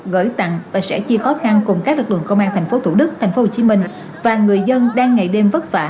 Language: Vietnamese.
gửi tặng và sẽ chia khó khăn cùng các lực lượng công an tp thủ đức tp hcm và người dân đang ngày đêm vất vả